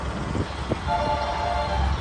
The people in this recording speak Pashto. عزت باید په ټولنه کي خوندي وساتل سي.